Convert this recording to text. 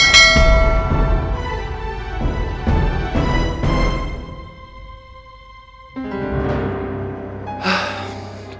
sampai jumpa lagi